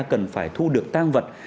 cần phải thu được tang vật